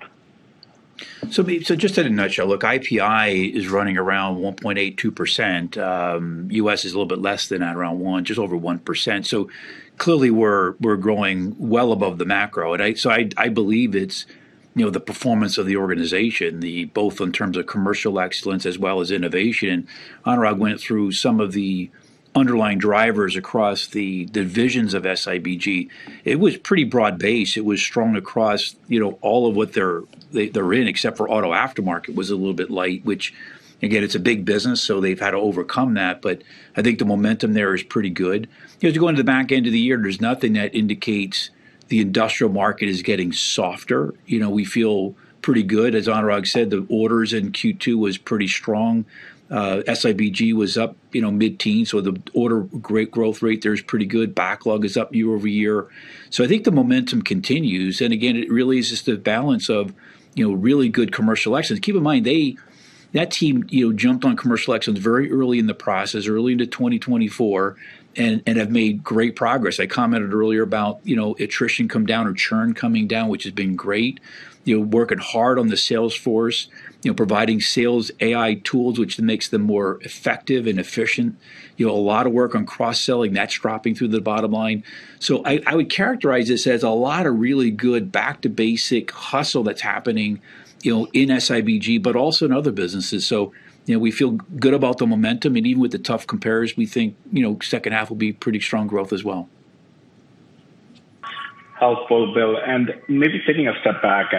Just in a nutshell, look, IPI is running around 1.82%. U.S. is a little bit less than that, around one, just over 1%. Clearly we're growing well above the macro. I believe it's the performance of the organization, both in terms of commercial excellence as well as innovation. Anurag went through some of the underlying drivers across the divisions of SIBG. It was pretty broad-based. It was strong across all of what they're in except for auto aftermarket was a little bit light, which again, it's a big business, so they've had to overcome that. I think the momentum there is pretty good. As you go into the back end of the year, there's nothing that indicates the industrial market is getting softer. We feel pretty good. As Anurag said, the orders in Q2 was pretty strong. SIBG was up mid-teens, the order growth rate there is pretty good. Backlog is up year-over-year. I think the momentum continues, and again, it really is just the balance of really good commercial excellence. Keep in mind, that team jumped on commercial excellence very early in the process, early into 2024, and have made great progress. I commented earlier about attrition coming down or churn coming down, which has been great. Working hard on the sales force, providing sales AI tools, which makes them more effective and efficient. A lot of work on cross-selling. That's dropping through to the bottom line. I would characterize this as a lot of really good back-to-basic hustle that's happening in SIBG, but also in other businesses. We feel good about the momentum, and even with the tough compares, we think second half will be pretty strong growth as well. Helpful, Bill. Maybe taking a step back,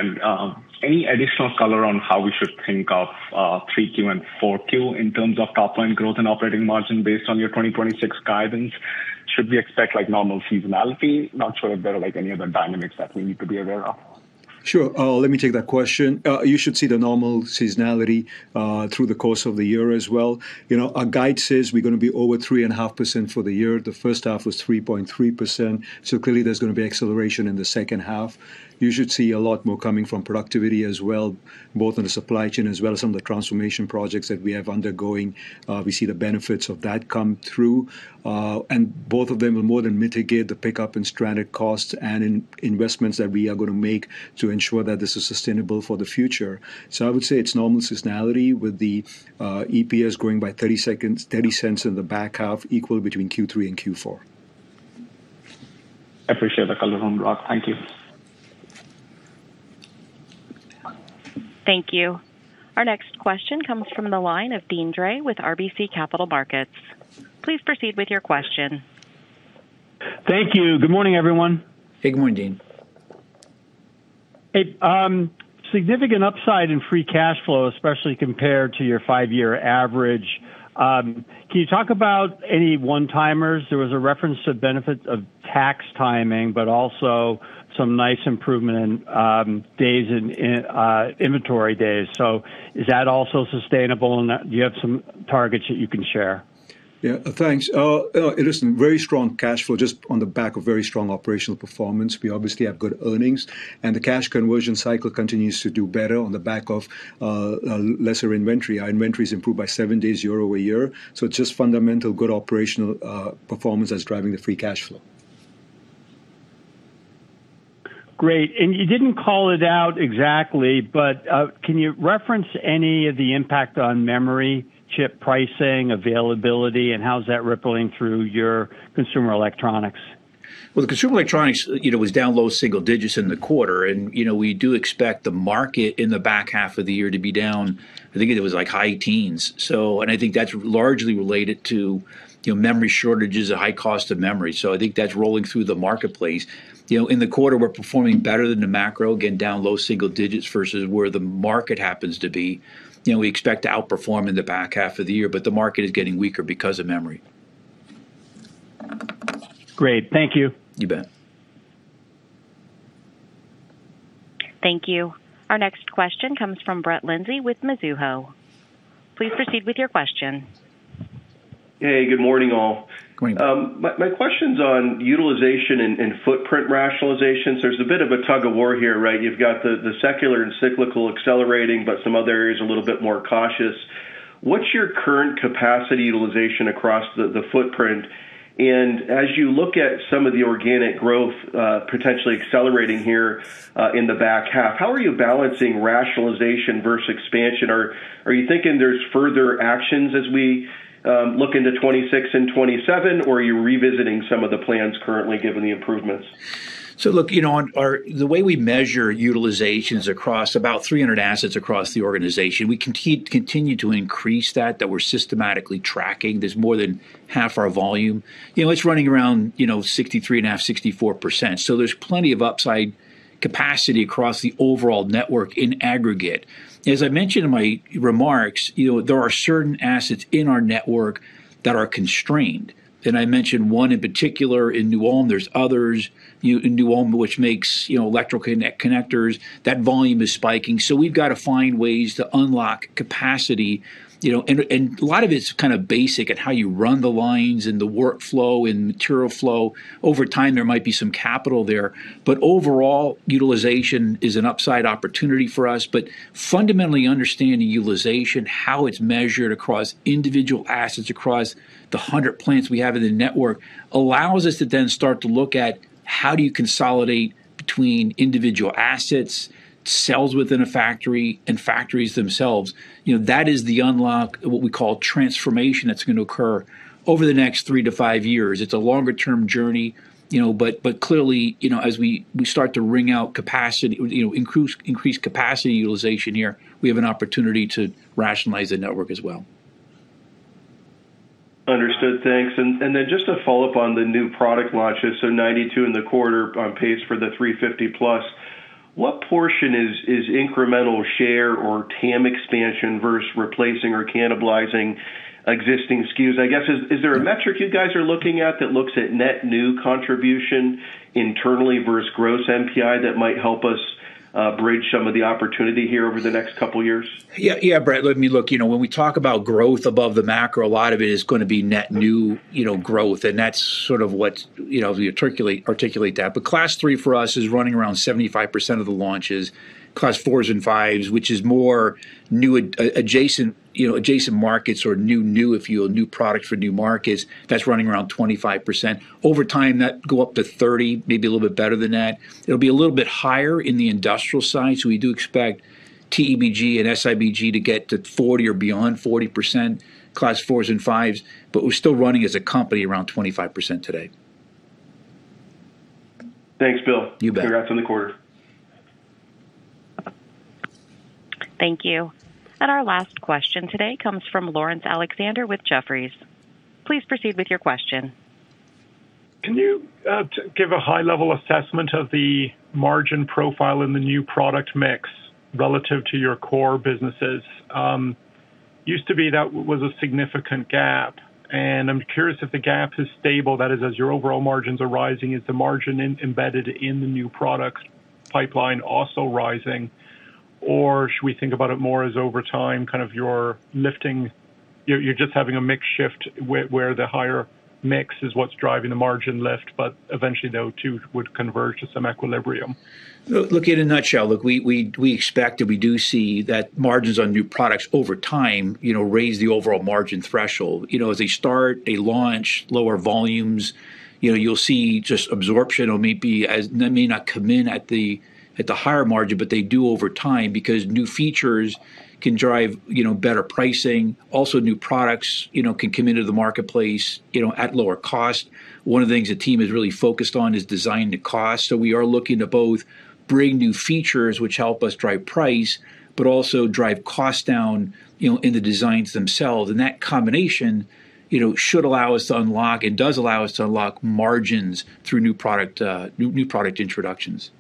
any additional color on how we should think of 3Q and 4Q in terms of top-line growth and operating margin based on your 2026 guidance? Should we expect normal seasonality? Not sure if there are any other dynamics that we need to be aware of. Sure. Let me take that question. You should see the normal seasonality through the course of the year as well. Our guide says we're going to be over 3.5% for the year. The first half was 3.3%, clearly there's going to be acceleration in the second half. You should see a lot more coming from productivity as well, both on the supply chain as well as some of the transformation projects that we have undergoing. We see the benefits of that come through. Both of them will more than mitigate the pickup in stranded costs and investments that we are going to make to ensure that this is sustainable for the future. I would say it's normal seasonality with the EPS growing by $0.30 in the back half, equal between Q3 and Q4. Appreciate the color, Anurag. Thank you. Thank you. Our next question comes from the line of Deane Dray with RBC Capital Markets. Please proceed with your question. Thank you. Good morning, everyone. Good morning, Deane. A significant upside in free cash flow, especially compared to your five-year average. Can you talk about any one-timers? There was a reference to the benefit of tax timing, but also some nice improvement in inventory days. Is that also sustainable, and do you have some targets that you can share? Yeah. Thanks. It is very strong cash flow just on the back of very strong operational performance. We obviously have good earnings, and the cash conversion cycle continues to do better on the back of lesser inventory. Our inventory's improved by seven days year-over-year, it's just fundamental good operational performance that's driving the free cash flow. Great. You didn't call it out exactly, but can you reference any of the impact on memory chip pricing, availability, and how is that rippling through your consumer electronics? Well, the consumer electronics was down low single-digits in the quarter, and we do expect the market in the back half of the year to be down. I think it was like high-teens. I think that's largely related to memory shortages and high cost of memory. I think that's rolling through the marketplace. In the quarter, we're performing better than the macro, again, down low single-digits versus where the market happens to be. The market is getting weaker because of memory. Great. Thank you. You bet. Thank you. Our next question comes from Brett Linzey with Mizuho. Please proceed with your question. Hey, good morning, all. Good morning. My question's on utilization and footprint rationalizations. There's a bit of a tug of war here, right? You've got the secular and cyclical accelerating, but some other areas a little bit more cautious. What's your current capacity utilization across the footprint? As you look at some of the organic growth potentially accelerating here in the back half, how are you balancing rationalization versus expansion? Are you thinking there's further actions as we look into 2026 and 2027, or are you revisiting some of the plans currently given the improvements? Look, the way we measure utilization is across about 300 assets across the organization. We continue to increase that we're systematically tracking. There's more than half our volume. It's running around 63.5%, 64%. There's plenty of upside capacity across the overall network in aggregate. As I mentioned in my remarks, there are certain assets in our network that are constrained, and I mentioned one in particular in New Ulm. There's others in New Ulm, which makes electrical connectors. That volume is spiking, so we've got to find ways to unlock capacity. A lot of it's kind of basic at how you run the lines and the workflow and material flow. Over time, there might be some capital there, but overall, utilization is an upside opportunity for us. Fundamentally understanding utilization, how it's measured across individual assets, across the 100 plants we have in the network, allows us to then start to look at how do you consolidate between individual assets, cells within a factory, and factories themselves. That is the unlock of what we call transformation that's going to occur over the next three to five years. It's a longer-term journey, but clearly, as we start to wring out capacity, increase capacity utilization here, we have an opportunity to rationalize the network as well. Understood. Thanks. Just to follow up on the new product launches, 92 in the quarter on pace for the 350+. What portion is incremental share or TAM expansion versus replacing or cannibalizing existing SKUs? I guess, is there a metric you guys are looking at that looks at net new contribution internally versus gross NPI that might help us bridge some of the opportunity here over the next couple of years? Yeah. Brett, let me look. When we talk about growth above the macro, a lot of it is going to be net new growth, and that's sort of what we articulate that. Class 3 for us is running around 75% of the launches. Class 4s and 5s, which is more new adjacent markets or new product for new markets, that's running around 25%. Over time, that go up to 30%, maybe a little bit better than that. It'll be a little bit higher in the industrial side, so we do expect TEBG and SIBG to get to 40% or beyond 40% Class 4s and 5s, but we're still running as a company around 25% today. Thanks, Bill. You bet. Congrats on the quarter. Thank you. Our last question today comes from Laurence Alexander with Jefferies. Please proceed with your question. Can you give a high-level assessment of the margin profile in the new product mix relative to your core businesses? Used to be that was a significant gap, and I'm curious if the gap is stable, that is, as your overall margins are rising, is the margin embedded in the new product pipeline also rising? Should we think about it more as over time, kind of you're just having a mix shift where the higher mix is what's driving the margin lift, but eventually, those two would converge at some equilibrium. Look, in a nutshell, look, we expect and we do see that margins on new products over time raise the overall margin threshold. As they start, they launch lower volumes. You'll see just absorption or maybe as they may not come in at the higher margin, but they do over time because new features can drive better pricing. Also, new products can come into the marketplace at lower cost. One of the things the team is really focused on is design to cost. We are looking to both bring new features which help us drive price, but also drive cost down in the designs themselves. That combination should allow us to unlock and does allow us to unlock margins through new product introductions.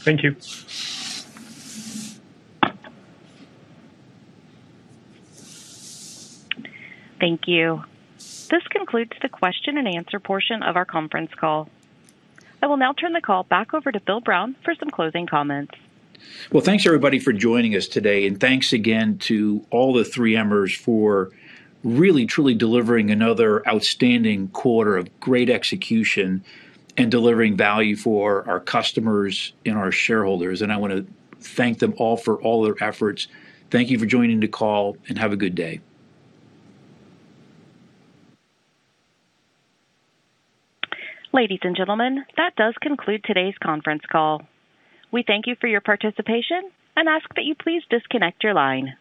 Thank you. Thank you. This concludes the question and answer portion of our conference call. I will now turn the call back over to Bill Brown for some closing comments. Well, thanks everybody for joining us today. Thanks again to all the 3M-ers for really truly delivering another outstanding quarter of great execution and delivering value for our customers and our shareholders. I want to thank them all for all their efforts. Thank you for joining the call, and have a good day. Ladies and gentlemen, that does conclude today's conference call. We thank you for your participation and ask that you please disconnect your line.